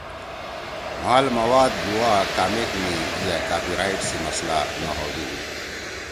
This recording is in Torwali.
مھال مواد بُوا کامک می یأ کاپی رائیٹ سی مسلہ نہ ہودُو۔